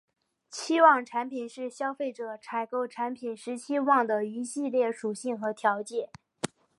期望产品是消费者采购产品时期望的一系列属性和条件。